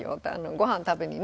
ごはん食べにね。